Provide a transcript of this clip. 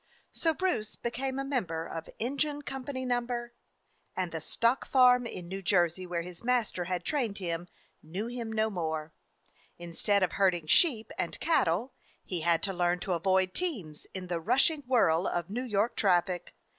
So Bruce became a member of Engine Company No —, and the stock farm in New Jersey where his master had trained him knew him no more. Instead of herding sheep and cattle, he had to learn to avoid teams in the rushing whirl of New York traffic.